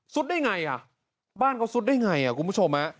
สุดได้อย่างไรบ้านก็สุดได้อย่างไรครับคุณผู้ชม